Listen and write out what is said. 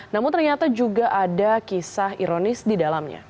namun ternyata juga ada kisah ironis di dalamnya